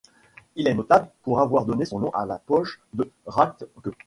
Il est notable pour avoir donné son nom à la poche de Rathke.